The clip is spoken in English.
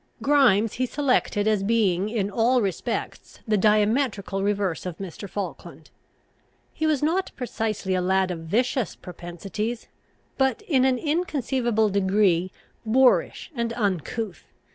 Grimes he selected as being in all respects the diametrical reverse of Mr. Falkland. He was not precisely a lad of vicious propensities, but in an inconceivable degree boorish and uncouth.